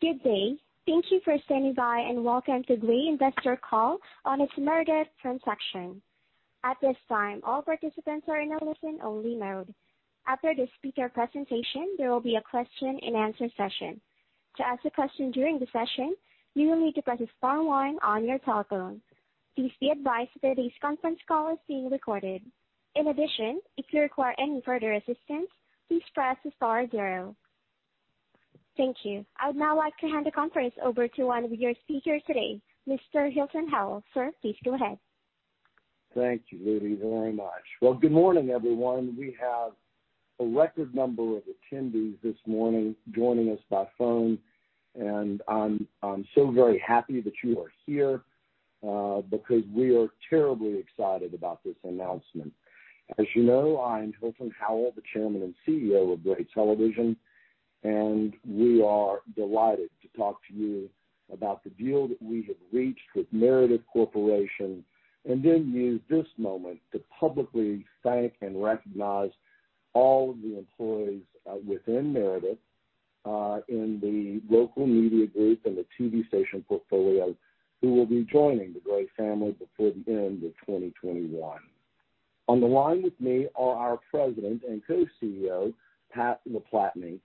Good day. Thank you for standing by, and welcome to Gray Investor Call on its Meredith transaction. At this time, all participants are in a listen-only mode. After the speaker presentation, there will be a question-and-answer session. To ask a question during the session you need to press star one on your telephone. Please be advised that today's conference call is being recorded. In addition if you require any further assistance press star two. Thank you. I would now like to hand the conference over to one of your speakers today, Mr. Hilton Howell. Sir, please go ahead. Thank you, Lily, very much. Well, good morning, everyone. We have a record number of attendees this morning joining us by phone, and I'm so very happy that you are here, because we are terribly excited about this announcement. As you know, I'm Hilton Howell, the Chairman and CEO of Gray Television, and we are delighted to talk to you about the deal that we have reached with Meredith Corporation, and then use this moment to publicly thank and recognize all of the employees within Meredith, in the Local Media Group, and the TV station portfolio, who will be joining the Gray family before the end of 2021. On the line with me are our President and Co-Chief Executive Officer, Pat LaPlatney,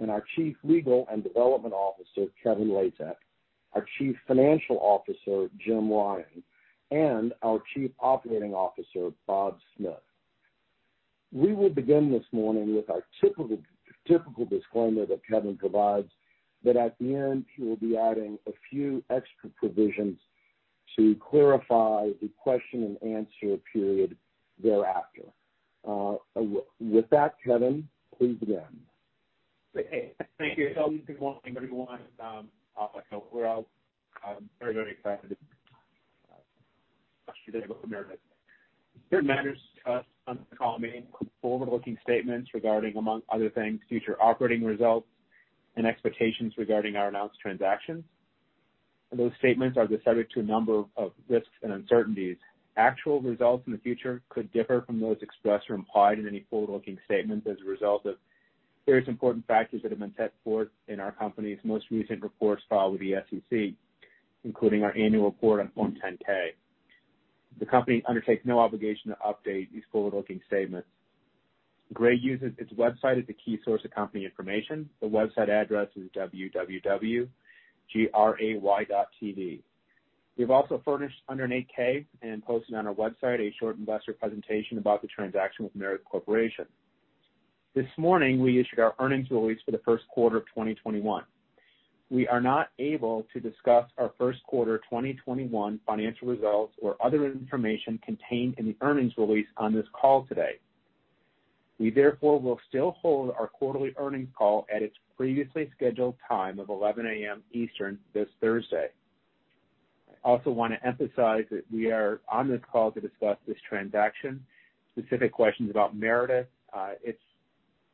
and our Chief Legal and Development Officer, Kevin Latek, our Chief Financial Officer, Jim Ryan, and our Chief Operating Officer, Bob Smith. We will begin this morning with our typical disclaimer that Kevin provides, but at the end, he will be adding a few extra provisions to clarify the question-and-answer period thereafter. With that, Kevin, please begin. Hey. Thank you, Hilton. Good morning, everyone. Like Hilton, we're all very excited about the acquisition of Meredith. Certain matters discussed on this call may contain forward-looking statements regarding, among other things, future operating results and expectations regarding our announced transactions. Those statements are subject to a number of risks and uncertainties. Actual results in the future could differ from those expressed or implied in any forward-looking statements as a result of various important factors that have been set forth in our company's most recent reports filed with the SEC, including our annual report on Form 10-K. The company undertakes no obligation to update these forward-looking statements. Gray uses its website as the key source of company information. The website address is www.gray.tv. We've also furnished under an 8-K, and posted on our website, a short investor presentation about the transaction with Meredith Corporation. This morning, we issued our earnings release for the first quarter of 2021. We are not able to discuss our first quarter 2021 financial results or other information contained in the earnings release on this call today. We therefore will still hold our quarterly earnings call at its previously scheduled time of 11:00 a.m. Eastern this Thursday. I also want to emphasize that we are on this call to discuss this transaction. Specific questions about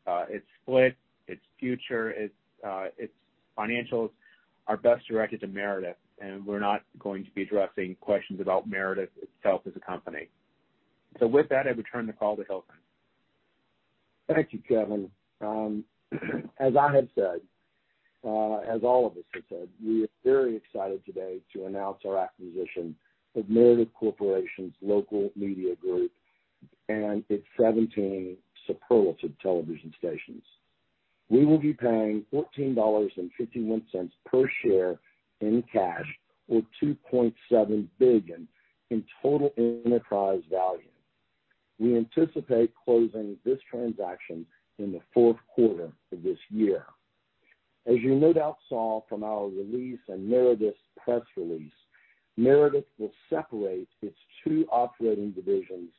Meredith, its split, its future, its financials are best directed to Meredith. We're not going to be addressing questions about Meredith itself as a company. With that, I return the call to Hilton. Thank you, Kevin. As I have said, as all of us have said, we are very excited today to announce our acquisition of Meredith Corporation's Local Media Group and its 17 superlative television stations. We will be paying $14.51 per share in cash or $2.7 billion in total enterprise value. We anticipate closing this transaction in the fourth quarter of this year. As you no doubt saw from our release and Meredith's press release, Meredith will separate its two operating divisions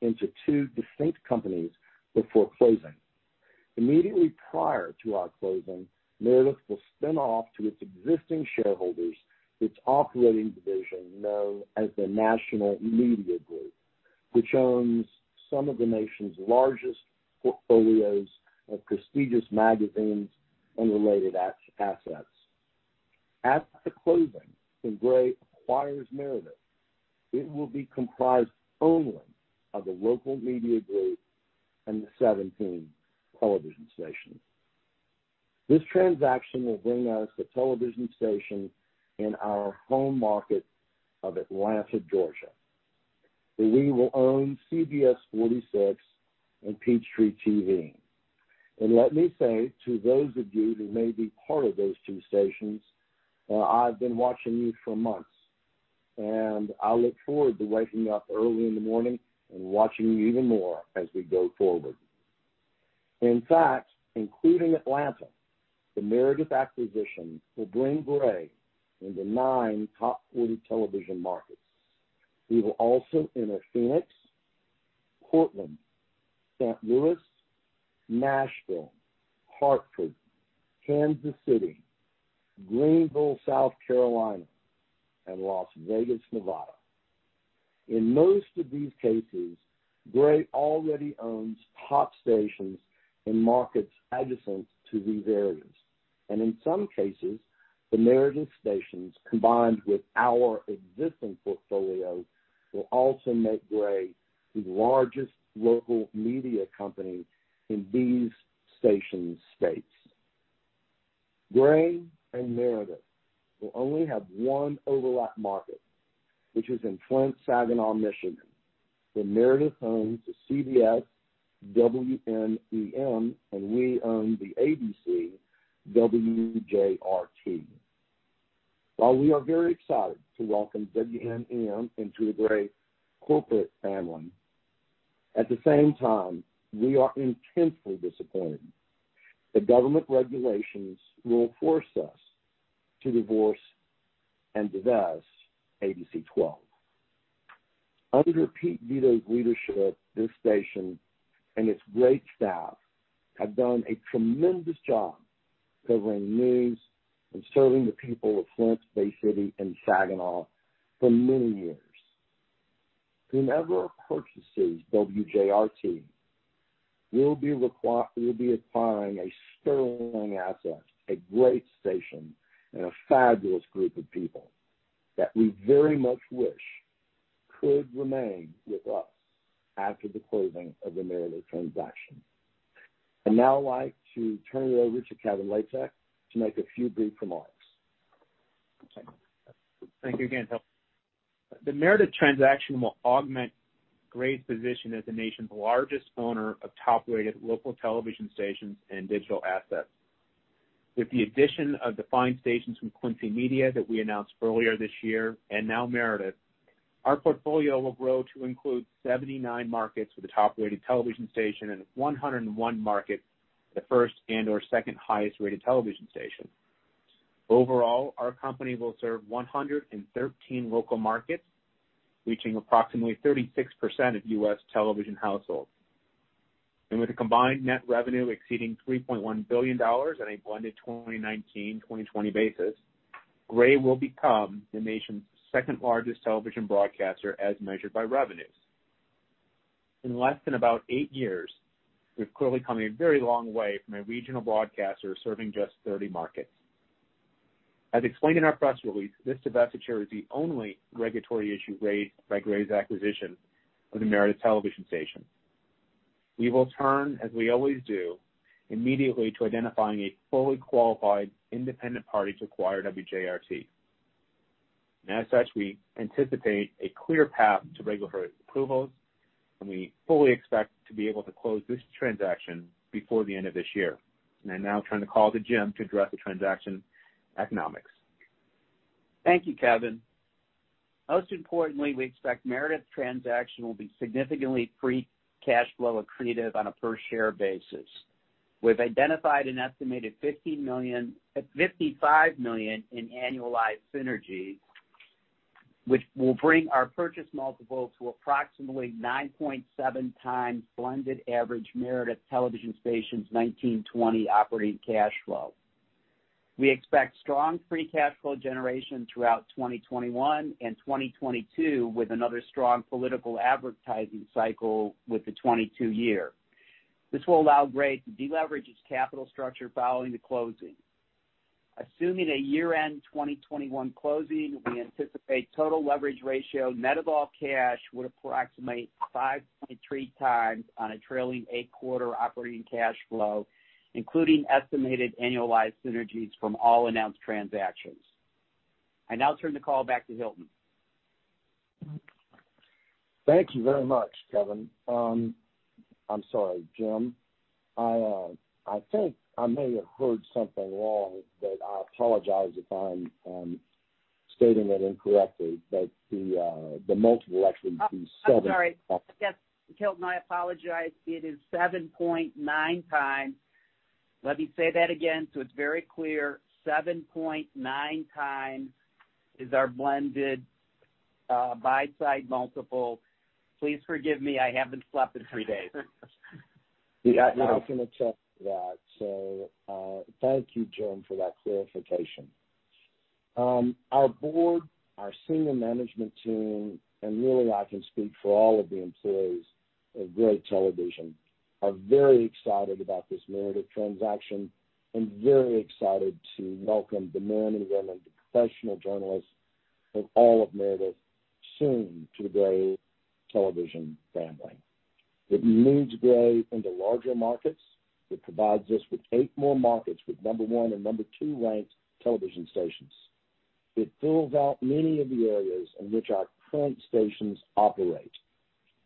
into two distinct companies before closing. Immediately prior to our closing, Meredith will spin off to its existing shareholders its operating division known as the National Media Group, which owns some of the nation's largest portfolios of prestigious magazines and related assets. At the closing, when Gray acquires Meredith, it will be comprised only of the Local Media Group and the 17 television stations. This transaction will bring us a television station in our home market of Atlanta, Georgia, where we will own CBS 46 and Peachtree TV. Let me say to those of you who may be part of those two stations, I've been watching you for months. I look forward to waking up early in the morning and watching you even more as we go forward. In fact, including Atlanta, the Meredith acquisition will bring Gray into nine top 40 television markets. We will also enter Phoenix, Portland, St. Louis, Nashville, Hartford, Kansas City, Greenville, South Carolina, and Las Vegas, Nevada. In most of these cases, Gray already owns top stations in markets adjacent to these areas. In some cases, the Meredith stations, combined with our existing portfolio will also make Gray the largest local media company in these station states. Gray and Meredith will only have one overlap market, which is in Flint-Saginaw, Michigan, where Meredith owns the CBS WNEM, and we own the ABC WJRT. While we are very excited to welcome WNEM into the Gray corporate family, at the same time, we are intensely disappointed that government regulations will force us to divorce and divest ABC12. Under Pete Veto's leadership, this station and its great staff have done a tremendous job covering news and serving the people of Flint, Bay City, and Saginaw for many years. Whomever purchases WJRT will be acquiring a sterling asset, a great station, and a fabulous group of people that we very much wish could remain with us after the closing of the Meredith transaction. I'd now like to turn it over to Kevin Latek to make a few brief remarks. Thank you again, Hilton. The Meredith transaction will augment Gray's position as the nation's largest owner of top-rated local television stations and digital assets. With the addition of the fine stations from Quincy Media that we announced earlier this year, and now Meredith, our portfolio will grow to include 79 markets with the top-rated television station in 101 markets, the first and/or second highest-rated television station. Overall, our company will serve 113 local markets, reaching approximately 36% of U.S. television households. With a combined net revenue exceeding $3.1 billion on a blended 2019, 2020 basis, Gray will become the nation's second largest television broadcaster as measured by revenues. In less than about eight years, we've clearly come a very long way from a regional broadcaster serving just 30 markets. As explained in our press release, this divestiture is the only regulatory issue raised by Gray's acquisition of the Meredith television station. We will turn, as we always do, immediately to identifying a fully qualified independent party to acquire WJRT. As such, we anticipate a clear path to regulatory approvals, and we fully expect to be able to close this transaction before the end of this year. I now turn the call to Jim to address the transaction economics. Thank you, Kevin. Most importantly, we expect Meredith transaction will be significantly free cash flow accretive on a per share basis. We've identified an estimated $50 million-$55 million in annualized synergies, which will bring our purchase multiple to approximately 9.7x blended average Meredith television stations' 2019-2020 operating cash flow. We expect strong free cash flow generation throughout 2021 and 2022 with another strong political advertising cycle with the 2022 year. This will allow Gray to deleverage its capital structure following the closing. Assuming a year-end 2021 closing, we anticipate total leverage ratio net of all cash would approximate 5.3x on a trailing eight-quarter operating cash flow, including estimated annualized synergies from all announced transactions. I now turn the call back to Hilton. Thank you very much, Kevin. I'm sorry, Jim. I think I may have heard something wrong, I apologize if I'm stating it incorrectly. The multiple actually would be seven. I'm sorry. Yes, Hilton, I apologize. It is 7.9x. Let me say that again so it's very clear. 7.9x is our blended buy-side multiple. Please forgive me. I haven't slept in three days. We're going to check that. Thank you, Jim, for that clarification. Our board, our senior management team, and really I can speak for all of the employees of Gray Television, are very excited about this Meredith transaction and very excited to welcome the men and women, the professional journalists of all of Meredith, soon to the Gray Television family. It moves Gray into larger markets. It provides us with eight more markets with number one and number two ranked television stations. It fills out many of the areas in which our current stations operate,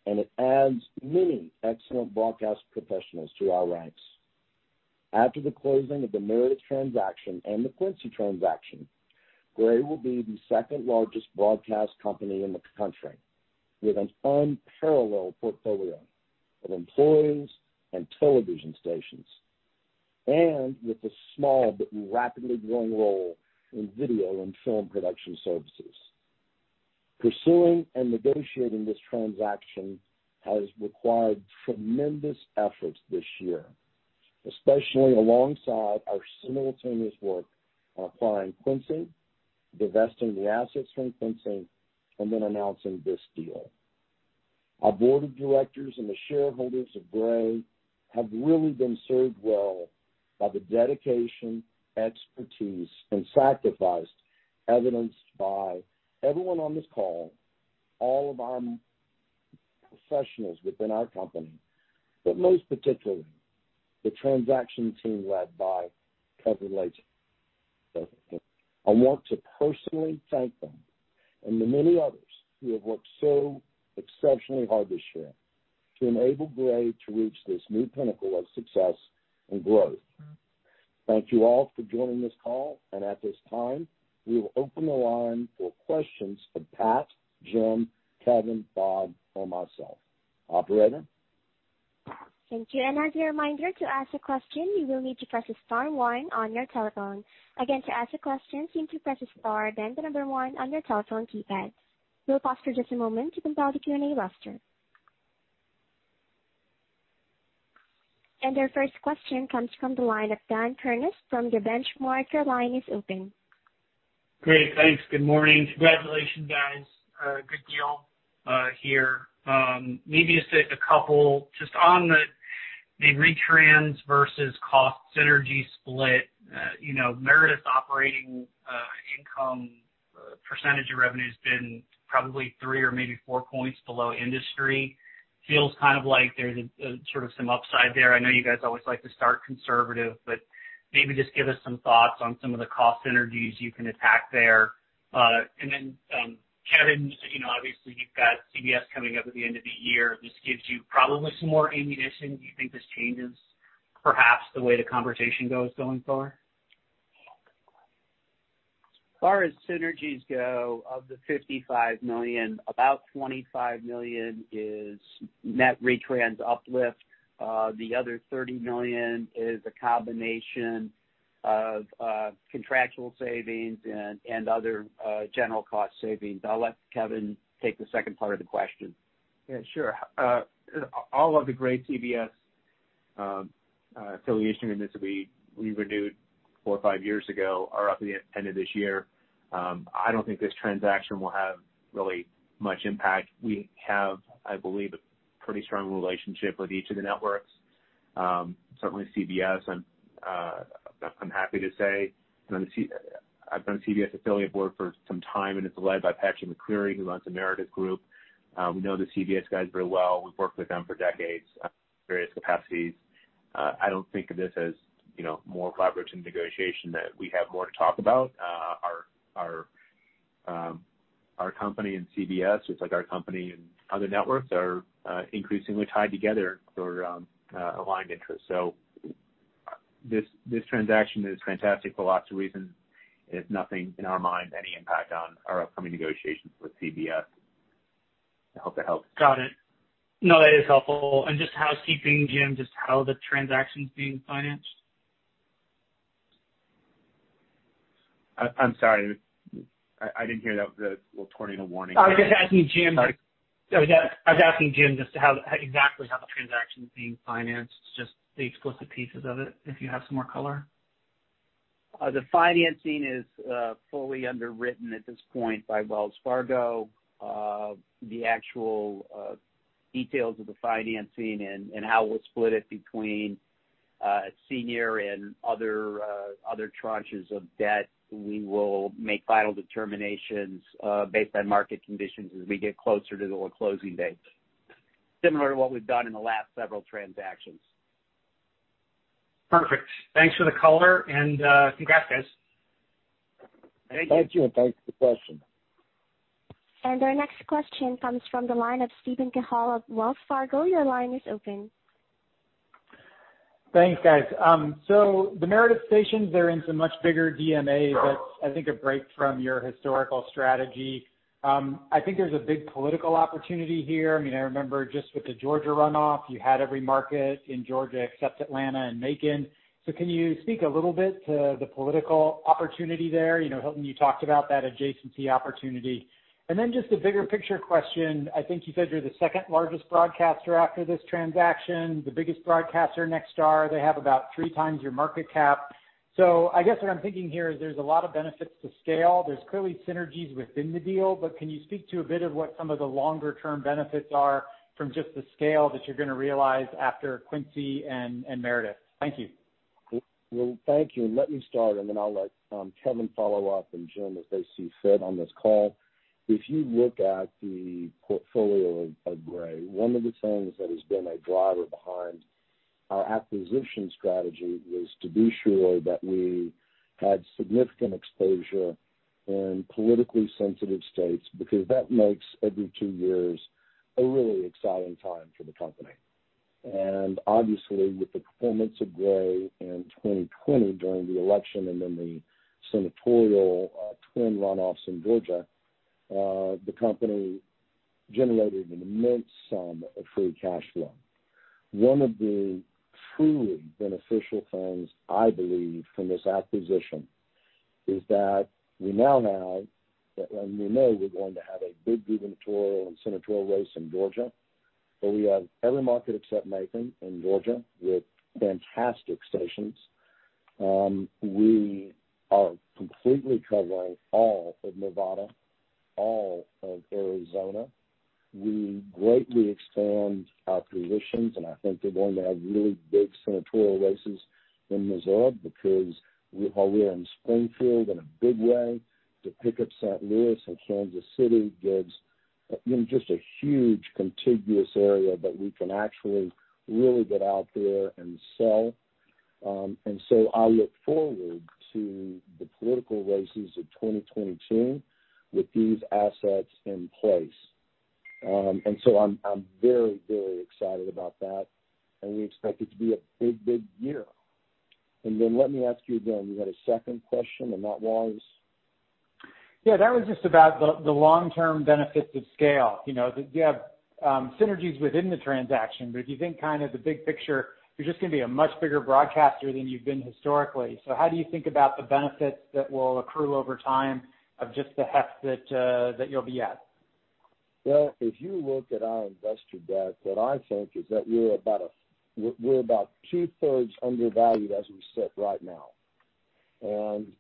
and it adds many excellent broadcast professionals to our ranks. After the closing of the Meredith transaction and the Quincy transaction, Gray will be the second largest broadcast company in the country with an unparalleled portfolio of employees and television stations, and with a small but rapidly growing role in video and film production services. Pursuing and negotiating this transaction has required tremendous efforts this year, especially alongside our simultaneous work on acquiring Quincy, divesting the assets from Quincy, and then announcing this deal. Our board of directors and the shareholders of Gray have really been served well by the dedication, expertise, and sacrifice evidenced by everyone on this call, all of our professionals within our company, but most particularly, the transaction team led by Kevin Latek. I want to personally thank them and the many others who have worked so exceptionally hard this year to enable Gray to reach this new pinnacle of success and growth. Thank you all for joining this call. At this time, we will open the line for questions for Pat, Jim, Kevin, Bob, or myself. Operator? Thank you. As a reminder, to ask a question, you will need to press star one on your telephone. Again, to ask a question, you need to press star, then the number one on your telephone keypad. We'll pause for just a moment to compile the Q&A roster. Our first question comes from the line of Dan Kurnos from The Benchmark Company. Your line is open. Great. Thanks. Good morning. Congratulations, guys. Good deal here. Maybe just a couple, just on the retrans versus cost synergy split. Meredith's operating income percentage of revenue's been probably three or maybe four points below industry. Feels like there's sort of some upside there. I know you guys always like to start conservative, but maybe just give us some thoughts on some of the cost synergies you can attack there. Then, Kevin, obviously you've got CBS coming up at the end of the year. This gives you probably some more ammunition. Do you think this changes perhaps the way the conversation goes going forward? As far as synergies go, of the $55 million, about $25 million is net retrans uplift. The other $30 million is a combination of contractual savings and other general cost savings. I'll let Kevin take the second part of the question. Yeah, sure. All of the Gray CBS affiliation agreements that we renewed four or five years ago are up at the end of this year. I don't think this transaction will have really much impact. We have, I believe, a pretty strong relationship with each of the networks. Certainly CBS, I'm happy to say. I've been on CBS Affiliate Board for some time. It's led by Patrick McCreery, who runs the Meredith Group. We know the CBS guys very well. We've worked with them for decades in various capacities. I don't think of this as more collaborative in negotiation that we have more to talk about. Our company and CBS, just like our company and other networks, are increasingly tied together through our aligned interests. This transaction is fantastic for lots of reasons. It's nothing, in our minds, any impact on our upcoming negotiations with CBS. I hope that helps. Got it. No, that is helpful. Just housekeeping, Jim, just how the transaction's being financed? I'm sorry. I didn't hear that with the little tornado warning. I was just asking Jim. Sorry? I was asking Jim just exactly how the transaction's being financed, just the explicit pieces of it, if you have some more color. The financing is fully underwritten at this point by Wells Fargo. The actual details of the financing and how we'll split it between senior and other tranches of debt, we will make final determinations based on market conditions as we get closer to the closing date. Similar to what we've done in the last several transactions. Perfect. Thanks for the color and congrats, guys. Thank you. Thank you, and thanks for the question. Our next question comes from the line of Steven Cahall of Wells Fargo. Your line is open. Thanks, guys. The Meredith stations, they're in some much bigger DMAs. That's, I think, a break from your historical strategy. I think there's a big political opportunity here. I remember just with the Georgia runoff, you had every market in Georgia except Atlanta and Macon. Can you speak a little bit to the political opportunity there? Hilton, you talked about that adjacency opportunity. Just a bigger picture question. I think you said you're the second largest broadcaster after this transaction. The biggest broadcaster, Nexstar, they have about three times your market cap. I guess what I'm thinking here is there's a lot of benefits to scale. There's clearly synergies within the deal, can you speak to a bit of what some of the longer-term benefits are from just the scale that you're going to realize after Quincy and Meredith? Thank you. Well, thank you. Let me start, then I'll let Kevin follow up, and Jim, as they see fit on this call. If you look at the portfolio of Gray, one of the things that has been a driver behind our acquisition strategy was to be sure that we had significant exposure in politically sensitive states, because that makes every two years a really exciting time for the company. Obviously, with the performance of Gray in 2020 during the election and then the senatorial twin runoffs in Georgia, the company generated an immense sum of free cash flow. One of the truly beneficial things I believe from this acquisition is that we now have, and we know we're going to have a big gubernatorial and senatorial race in Georgia, but we have every market except Macon in Georgia with fantastic stations. We are completely covering all of Nevada, all of Arizona. We greatly expand our positions, and I think they're going to have really big senatorial races in Missouri because while we're in Springfield in a big way, to pick up St. Louis and Kansas City gives just a huge contiguous area that we can actually really get out there and sell. I look forward to the political races of 2022 with these assets in place. I'm very excited about that, and we expect it to be a big year. Let me ask you again, you had a second question, and that was? Yeah, that was just about the long-term benefits of scale. You have synergies within the transaction, but if you think kind of the big picture, you're just going to be a much bigger broadcaster than you've been historically. How do you think about the benefits that will accrue over time of just the heft that you'll be at? Well, if you look at our investor deck, what I think is that we're about two-thirds undervalued as we sit right now.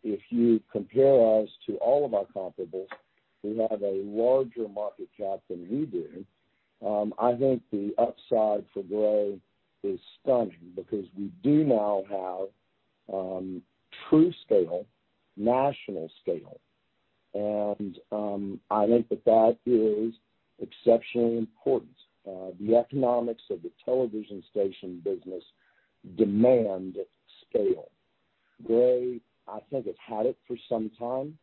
If you compare us to all of our comparables, who have a larger market cap than we do, I think the upside for Gray is stunning because we do now have true scale, national scale. I think that is exceptionally important. The economics of the television station business demand scale. Gray, I think, has had it for some time.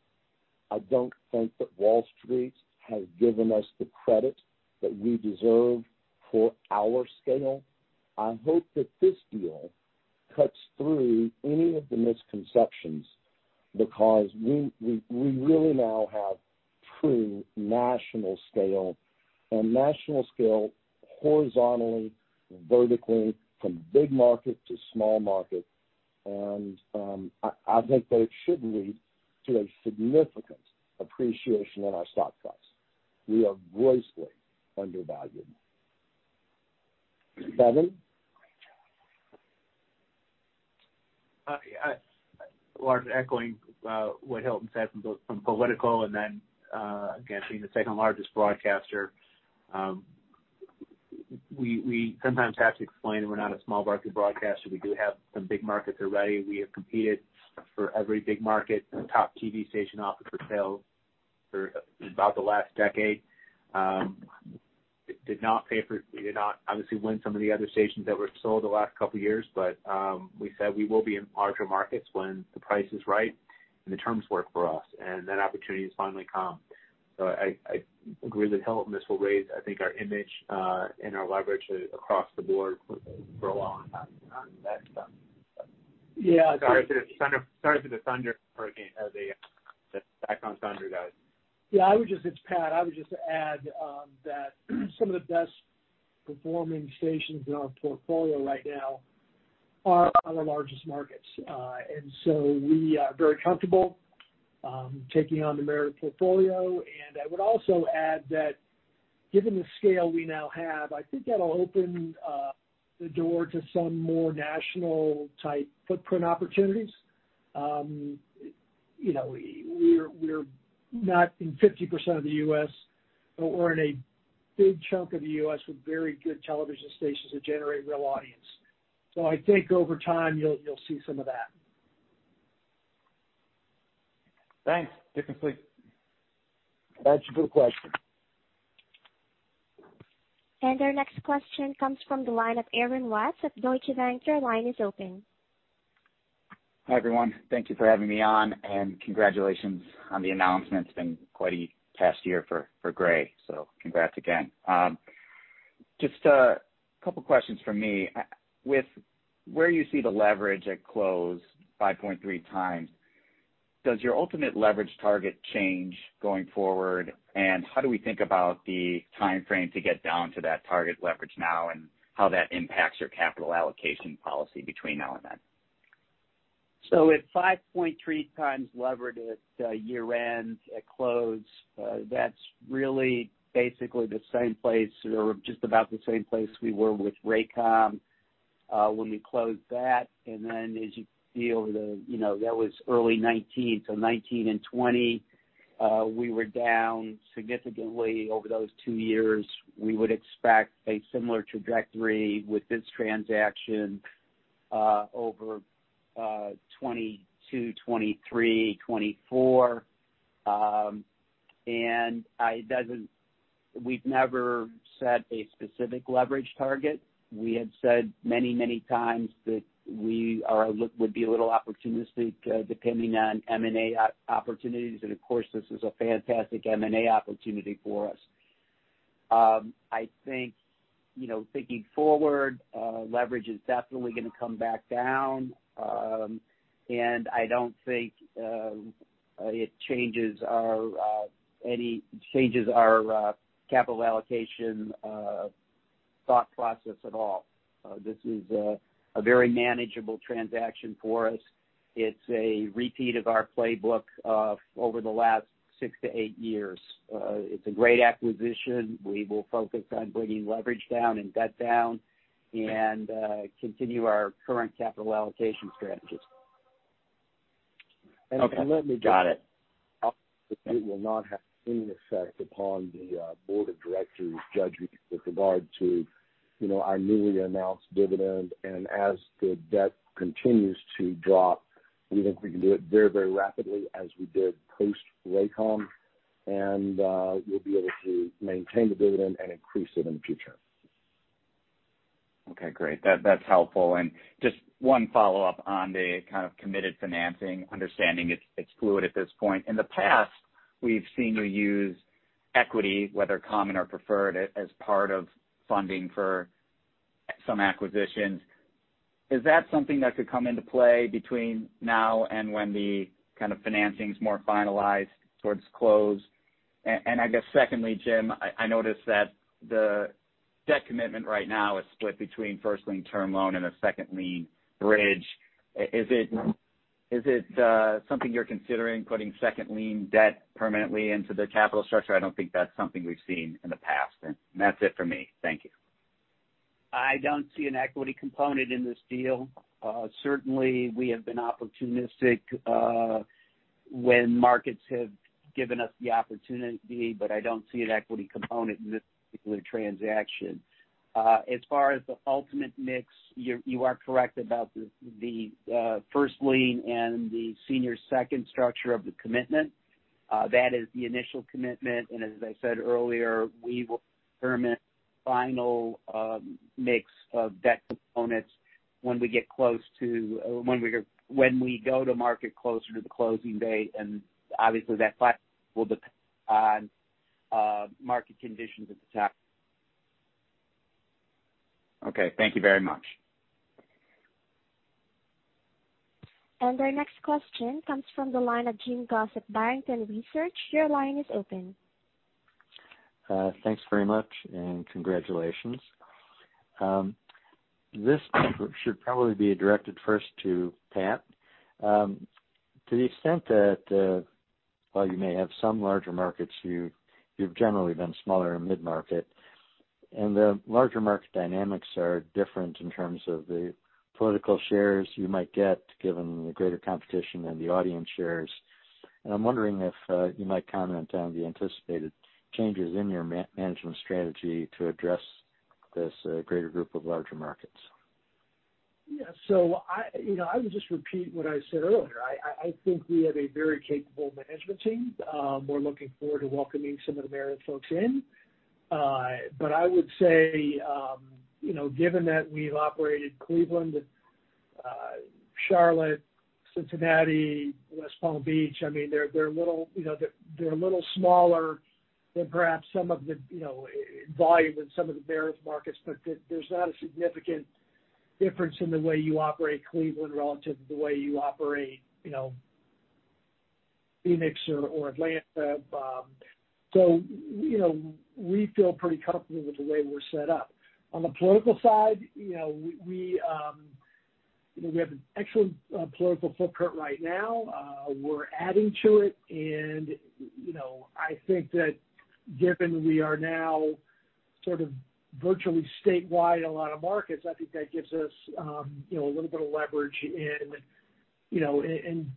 I don't think that Wall Street has given us the credit that we deserve for our scale. I hope that this deal cuts through any of the misconceptions because we really now have true national scale, and national scale horizontally, vertically, from big market to small market. I think that it should lead to a significant appreciation in our stock price. We are grossly undervalued. Kevin? I'm largely echoing what Hilton said from political, and then again, being the second-largest broadcaster. We sometimes have to explain that we're not a small market broadcaster. We do have some big markets already. We have competed for every big market top TV station up for sale for about the last decade. We did not obviously win some of the other stations that were sold the last couple of years, but we said we will be in larger markets when the price is right and the terms work for us, and that opportunity has finally come. I agree with Hilton. This will raise, I think, our image and our leverage across the board for a long time on that stuff. Yeah. Sorry for the thunder hurricane. As a background thunder guy. Yeah. It's Pat. I would just add that some of the best performing stations in our portfolio right now are our largest markets. We are very comfortable taking on the Meredith portfolio. I would also add that given the scale we now have, I think that'll open the door to some more national type footprint opportunities. We're not in 50% of the U.S., but we're in a big chunk of the U.S. with very good television stations that generate real audience. I think over time, you'll see some of that. Thanks. Different fleet. That's a good question. Our next question comes from the line of Aaron Watts of Deutsche Bank. Your line is open. Hi, everyone. Thank you for having me on. Congratulations on the announcement. It's been quite a past year for Gray. Congrats again. Just a couple of questions from me. With where you see the leverage at close, 5.3s, does your ultimate leverage target change going forward? How do we think about the timeframe to get down to that target leverage now and how that impacts your capital allocation policy between now and then? At 5.3x leverage at year-end, at close, that's really basically the same place or just about the same place we were with Raycom when we closed that. As you feel, that was early 2019. 2019 and 2020, we were down significantly over those two years. We would expect a similar trajectory with this transaction over 2022, 2023, 2024. We've never set a specific leverage target. We had said many times that we would be a little opportunistic depending on M&A opportunities. Of course, this is a fantastic M&A opportunity for us. I think thinking forward, leverage is definitely going to come back down. I don't think it changes our capital allocation thought process at all. This is a very manageable transaction for us. It's a repeat of our playbook over the last six to eight years. It's a great acquisition. We will focus on bringing leverage down and debt down and continue our current capital allocation strategies. Okay. Got it. It will not have any effect upon the board of directors' judgment with regard to our newly announced dividend. As the debt continues to drop, we think we can do it very rapidly as we did post Raycom, and we'll be able to maintain the dividend and increase it in the future. Okay, great. That's helpful. Just one follow-up on the kind of committed financing, understanding it's fluid at this point. In the past, we've seen you use equity, whether common or preferred, as part of funding for some acquisitions. Is that something that could come into play between now and when the kind of financing's more finalized towards close? I guess secondly, Jim, I noticed that the debt commitment right now is split between first lien term loan and a second lien bridge. Is it something you're considering putting second lien debt permanently into the capital structure? I don't think that's something we've seen in the past. That's it for me. Thank you. I don't see an equity component in this deal. Certainly, we have been opportunistic when markets have given us the opportunity, but I don't see an equity component in this particular transaction. As far as the ultimate mix, you are correct about the first lien and the senior second structure of the commitment. That is the initial commitment, and as I said earlier, we will determine final mix of debt components when we go to market closer to the closing date, and obviously that will depend on market conditions at the time. Okay, thank you very much. Our next question comes from the line of Jim Goss at Barrington Research. Your line is open. Thanks very much, and congratulations. This should probably be directed first to Pat. To the extent that while you may have some larger markets, you've generally been smaller in mid-market, and the larger market dynamics are different in terms of the political shares you might get, given the greater competition and the audience shares. I'm wondering if you might comment on the anticipated changes in your management strategy to address this greater group of larger markets. I would just repeat what I said earlier. I think we have a very capable management team. We're looking forward to welcoming some of the Meredith folks in. I would say, given that we've operated Cleveland, Charlotte, Cincinnati, West Palm Beach, they're a little smaller than perhaps some of the volume in some of the Meredith markets, but there's not a significant difference in the way you operate Cleveland relative to the way you operate Phoenix or Atlanta. We feel pretty comfortable with the way we're set up. On the political side, we have an excellent political footprint right now. We're adding to it. I think that given we are now sort of virtually statewide in a lot of markets, I think that gives us a little bit of leverage in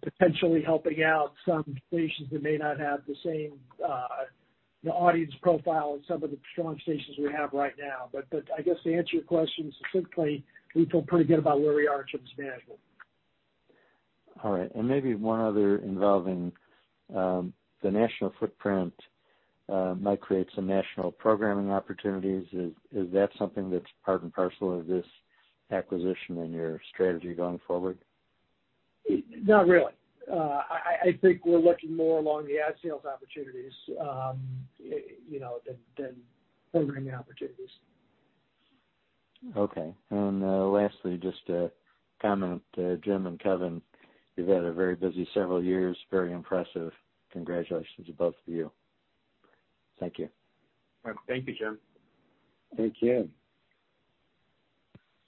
potentially helping out some stations that may not have the same audience profile as some of the strong stations we have right now. I guess to answer your question specifically, we feel pretty good about where we are in terms of management. All right. Maybe one other involving the national footprint might create some national programming opportunities. Is that something that's part and parcel of this acquisition and your strategy going forward? Not really. I think we're looking more along the ad sales opportunities than programming opportunities. Okay. Lastly, just a comment to Jim and Kevin. You've had a very busy several years, very impressive. Congratulations to both of you. Thank you. Thank you, Jim. Thank you.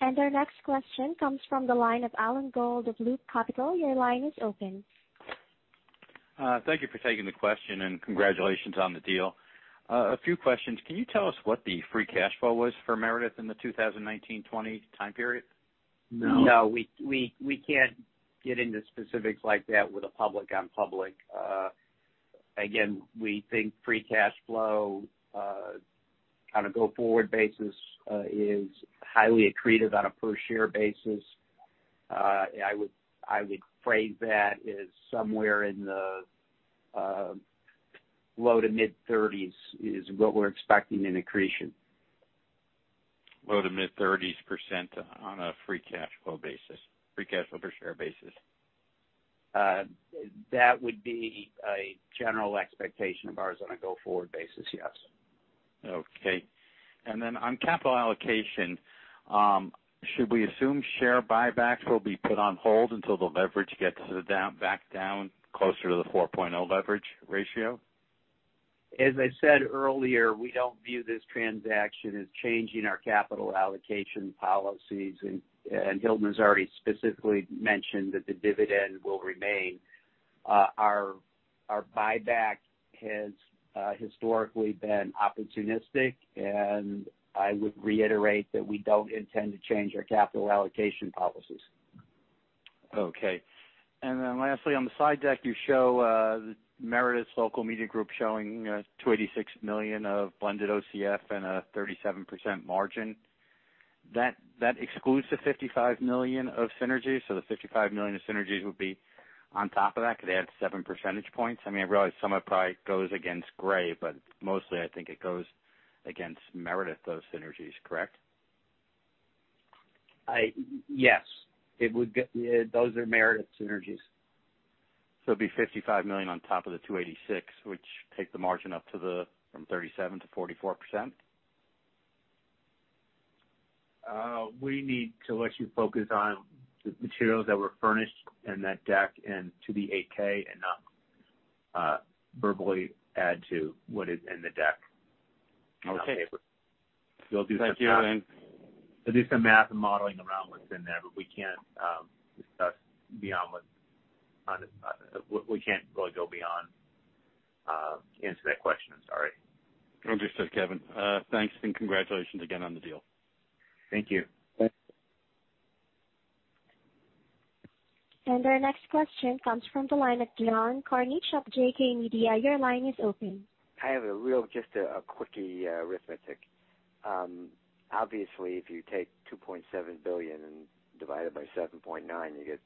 Our next question comes from the line of Alan Gould of Loop Capital. Your line is open. Thank you for taking the question, and congratulations on the deal. A few questions. Can you tell us what the free cash flow was for Meredith in the 2019-2020 time period? We can't get into specifics like that with a public on public. We think free cash flow on a go-forward basis is highly accretive on a per share basis. I would phrase that as somewhere in the low to mid-30s is what we're expecting in accretion. Low to mid-30s% on a free cash flow per share basis. That would be a general expectation of ours on a go-forward basis, yes. Okay. On capital allocation, should we assume share buybacks will be put on hold until the leverage gets back down closer to the 4.0 leverage ratio? As I said earlier, we don't view this transaction as changing our capital allocation policies, and Hilton Howell's already specifically mentioned that the dividend will remain. Our buyback has historically been opportunistic, and I would reiterate that we don't intend to change our capital allocation policies. Okay. Lastly, on the slide deck, you show the Meredith's Local Media Group showing $286 million of blended OCF and a 37% margin. That excludes the $55 million of synergies. The $55 million of synergies would be on top of that because they add seven percentage points. I realize some of it probably goes against Gray, mostly I think it goes against Meredith, those synergies, correct? Yes. Those are Meredith synergies. It'd be $55 million on top of the $286, which takes the margin up from 37% to 44%? We need to let you focus on the materials that were furnished in that deck and to the 8-K and not verbally add to what is in the deck. Okay. We'll do some. Thank you. We'll do some math and modeling around what's in there, but we can't really go beyond to answer that question. I'm sorry. Understood, Kevin. Thanks, and congratulations again on the deal. Thank you. Thanks. Our next question comes from the line of John Kornreich of JK Media. Your line is open. I have a real, just a quickie arithmetic. Obviously, if you take $2.7 billion and divide it by 7.9, you get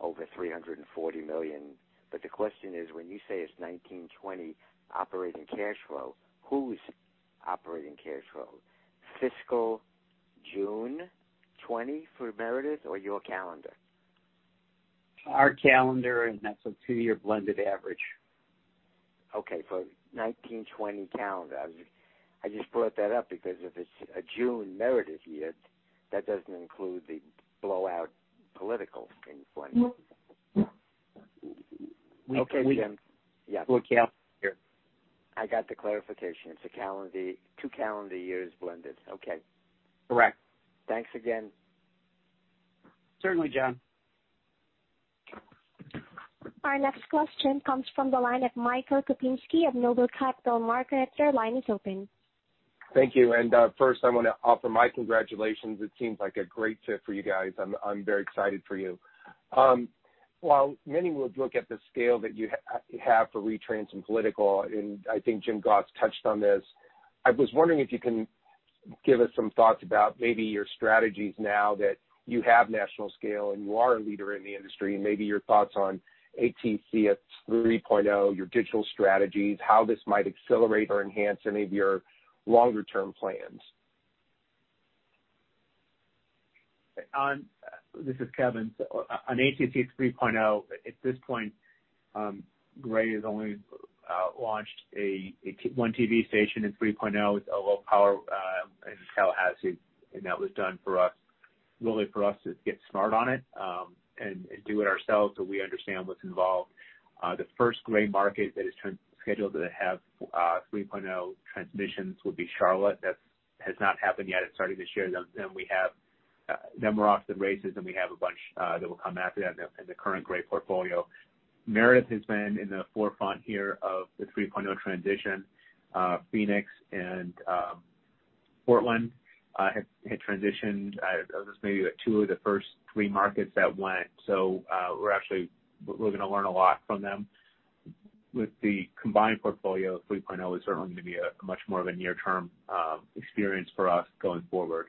over $340 million. The question is, when you say it's 19/20 operating cash flow, whose operating cash flow? Fiscal June 2020 for Meredith or your calendar? Our calendar, that's a two-year blended average. Okay. For 19/20 calendar. I just brought that up because if it's a June Meredith year, that doesn't include the blowout political influence. Okay, John. Yes. We're calendar year. I got the clarification. It's two calendar years blended. Okay. Correct. Thanks again. Certainly, John. Our next question comes from the line of Michael Kupinski of Noble Capital Markets. Your line is open. Thank you. First I want to offer my congratulations. It seems like a great fit for you guys. I'm very excited for you. While many would look at the scale that you have for retrans and political, and I think Jim Goss touched on this, I was wondering if you can give us some thoughts about maybe your strategies now that you have national scale and you are a leader in the industry, and maybe your thoughts on ATSC 3.0, your digital strategies, how this might accelerate or enhance any of your longer-term plans. This is Kevin. On ATSC 3.0, at this point, Gray has only launched one TV station in 3.0. It's a low power in Tallahassee. That was done really for us to get smart on it and do it ourselves so we understand what's involved. The first Gray market that is scheduled to have 3.0 transition would be Charlotte. That has not happened yet. It's starting this year. We have Moroch the races. We have a bunch that will come after that in the current Gray portfolio. Meredith has been in the forefront here of the 3.0 transition. Phoenix and Portland had transitioned. Those may be the two of the first three markets that went. We're going to learn a lot from them. With the combined portfolio, 3.0 is certainly going to be much more of a near-term experience for us going forward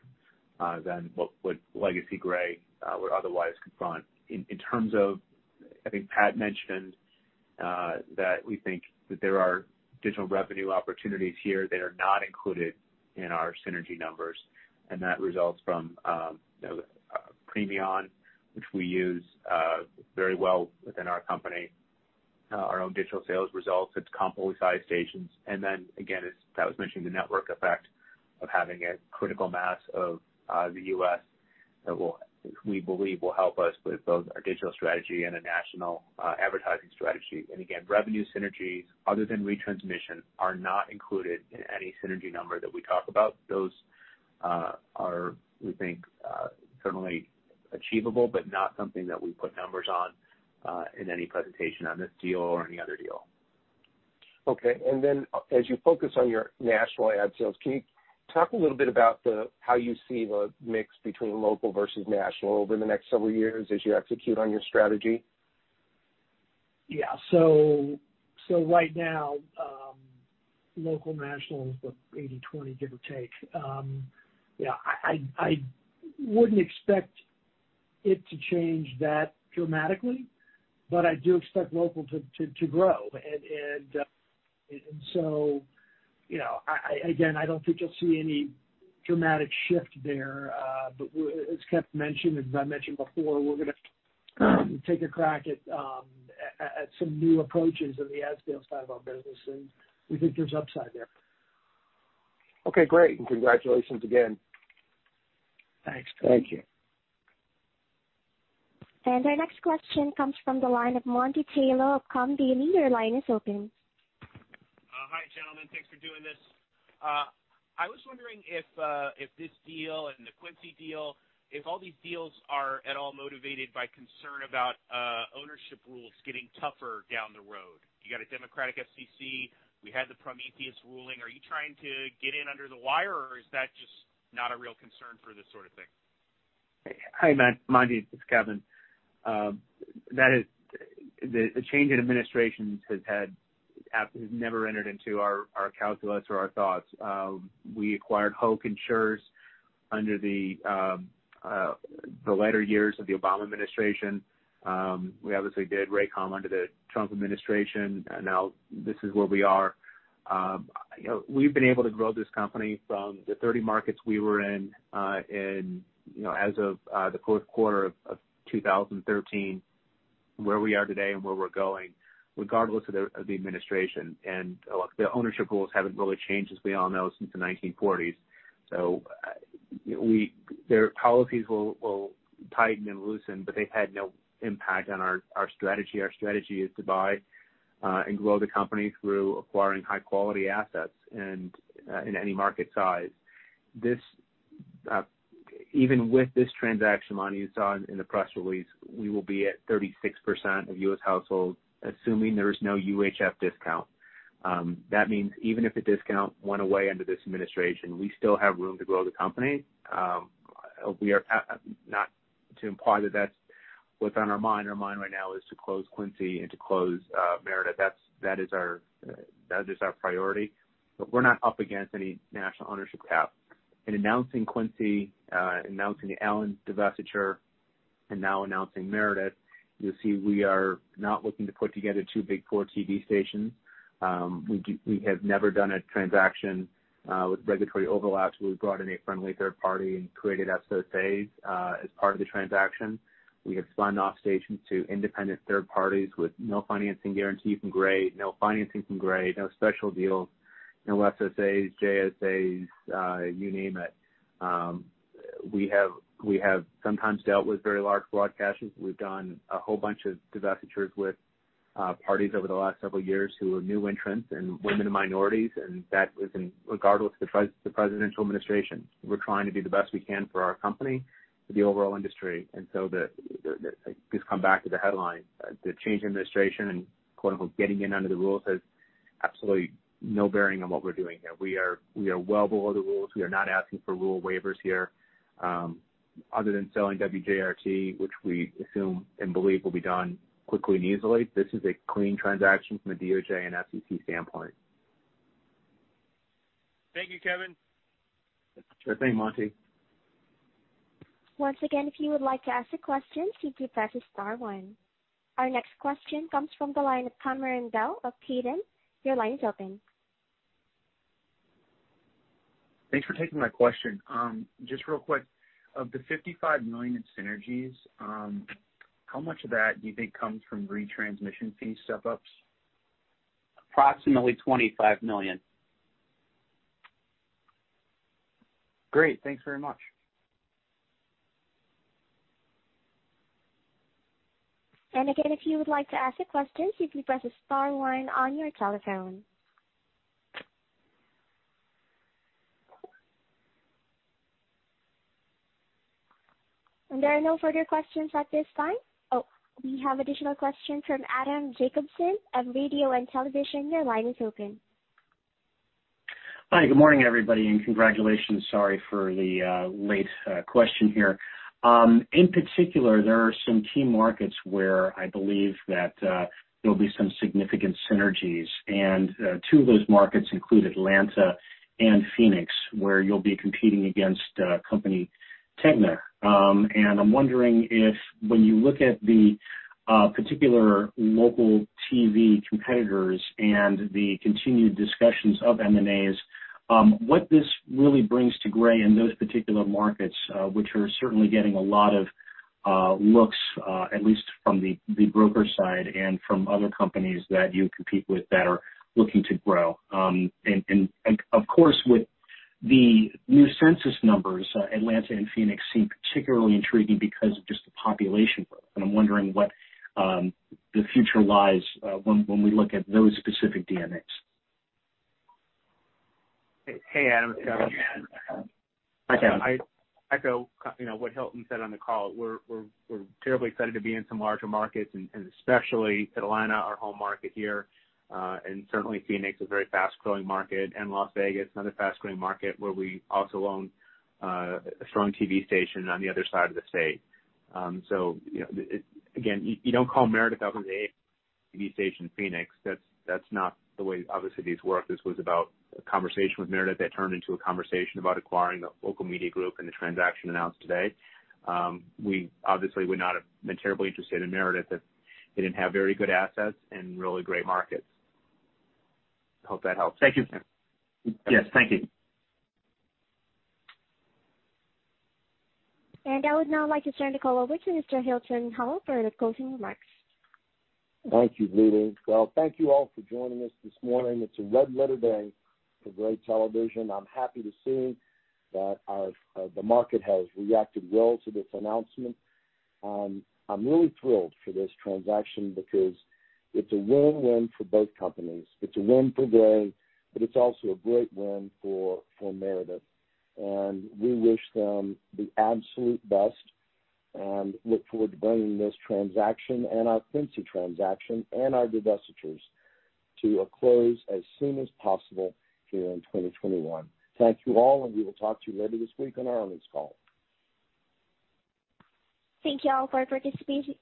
than what legacy Gray would otherwise confront. I think Pat mentioned that we think that there are digital revenue opportunities here that are not included in our synergy numbers, and that results from Premion, which we use very well within our company, our own digital sales results. It's combo-sized stations. Then again, as Pat was mentioning, the network effect of having a critical mass of the U.S. that we believe will help us with both our digital strategy and a national advertising strategy. Again, revenue synergies other than retransmission are not included in any synergy number that we talk about. Those are, we think, certainly achievable, but not something that we put numbers on in any presentation on this deal or any other deal. Okay. As you focus on your national ad sales, can you talk a little bit about how you see the mix between local versus national over the next several years as you execute on your strategy? Yeah. Right now, local, national is what, 80/20, give or take. I wouldn't expect it to change that dramatically, but I do expect local to grow. Again, I don't think you'll see any dramatic shift there. As Kevin mentioned, as I mentioned before, we're going to take a crack at some new approaches in the ad sales side of our business, and we think there's upside there. Okay, great. Congratulations again. Thanks. Thank you. Our next question comes from the line of Monty Taylor of Commedia. Your line is open. Thanks for doing this. I was wondering if this deal and the Quincy deal, if all these deals are at all motivated by concern about ownership rules getting tougher down the road. You got a Democratic FCC. We had the Prometheus ruling. Are you trying to get in under the wire, or is that just not a real concern for this sort of thing? Hi, Monty. It's Kevin. The change in administrations has never entered into our calculus or our thoughts. We acquired Hoak Media under the latter years of the Obama administration. We obviously did Raycom under the Trump administration. This is where we are. We've been able to grow this company from the 30 markets we were in as of the fourth quarter of 2013, where we are today, and where we're going, regardless of the administration. The ownership rules haven't really changed, as we all know, since the 1940s. Their policies will tighten and loosen, but they've had no impact on our strategy. Our strategy is to buy and grow the company through acquiring high-quality assets and in any market size. Even with this transaction, Monty, you saw it in the press release, we will be at 36% of U.S. households, assuming there is no UHF discount. That means even if the discount went away under this administration, we still have room to grow the company. Not to imply that that's what's on our mind. Our mind right now is to close Quincy and to close Meredith. That is our priority. We're not up against any national ownership cap. In announcing Quincy, announcing the Allen divestiture, and now announcing Meredith, you'll see we are not looking to put together two big four TV stations. We have never done a transaction with regulatory overlaps. We've brought in a friendly third party and created SSAs as part of the transaction. We have spun off stations to independent third parties with no financing guarantee from Gray, no financing from Gray, no special deals, no SSAs, JSAs, you name it. We have sometimes dealt with very large broadcasters. We've done a whole bunch of divestitures with parties over the last several years who are new entrants and women and minorities, and that was regardless of the presidential administration. We're trying to do the best we can for our company, for the overall industry. Just come back to the headline, the change in administration and quote, unquote, getting in under the rules has absolutely no bearing on what we're doing here. We are well below the rules. We are not asking for rule waivers here. Other than selling WJRT, which we assume and believe will be done quickly and easily, this is a clean transaction from a DOJ and FCC standpoint. Thank you, Kevin. Sure thing, Monty. Once again, if you would like to ask a question, please press star one. Our next question comes from the line of Cameron Bell of Keyton. Your line is open. Thanks for taking my question. Just real quick, of the $55 million in synergies, how much of that do you think comes from retransmission fee step-ups? Approximately $25 million. Great. Thanks very much. Again, if you would like to ask a question, you can press star one on your telephone. There are no further questions at this time. We have additional questions from Adam Jacobson of Radio and Television. Your line is open. Hi, good morning, everybody, and congratulations. Sorry for the late question here. In particular, there are some key markets where I believe that there'll be some significant synergies. Two of those markets include Atlanta and Phoenix, where you'll be competing against company TEGNA. I'm wondering if when you look at the particular local TV competitors and the continued discussions of M&As, what this really brings to Gray in those particular markets, which are certainly getting a lot of looks, at least from the broker side and from other companies that you compete with that are looking to grow. Of course, with the new census numbers, Atlanta and Phoenix seem particularly intriguing because of just the population growth. I'm wondering what the future lies when we look at those specific DMAs. Hey, Adam. It's Kevin again. Hi, Kevin. I echo what Hilton said on the call. We're terribly excited to be in some larger markets, especially Atlanta, our home market here. Certainly Phoenix, a very fast-growing market, and Las Vegas, another fast-growing market, where we also own a strong TV station on the other side of the state. Again, you don't call Meredith up and say, "We need a TV station in Phoenix." That's not the way, obviously, these work. This was about a conversation with Meredith that turned into a conversation about acquiring the Local Media Group and the transaction announced today. We obviously would not have been terribly interested in Meredith if they didn't have very good assets and really great markets. I hope that helps. Thank you. Yeah. Yes. Thank you. I would now like to turn the call over to Mr. Hilton Howell for the closing remarks. Thank you, Lily. Well, thank you all for joining us this morning. It's a red letter day for Gray Television. I'm happy to see that the market has reacted well to this announcement. I'm really thrilled for this transaction because it's a win-win for both companies. It's a win for Gray, but it's also a great win for Meredith, and we wish them the absolute best and look forward to bringing this transaction and our Quincy transaction and our divestitures to a close as soon as possible here in 2021. Thank you all, and we will talk to you later this week on our earnings call. Thank you all for participating.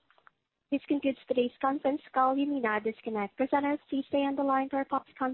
This concludes today's conference call. You may now disconnect. Presenters, please stay on the line for a-